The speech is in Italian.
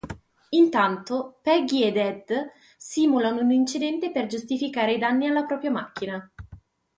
Intanto, Peggy e Ed simulano un incidente per giustificare i danni alla propria macchina.